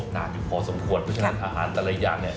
นานอยู่พอสมควรเพราะฉะนั้นอาหารแต่ละอย่างเนี่ย